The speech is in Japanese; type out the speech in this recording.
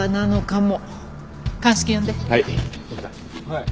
はい！